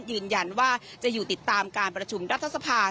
ยืนยันว่าจะอยู่ติดตามการประชุมรัฐสภา